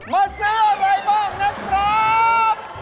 มาซื้ออะไรบ้างนะครับ